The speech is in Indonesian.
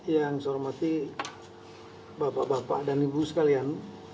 yang saya hormati bapak bapak dan ibu sekalian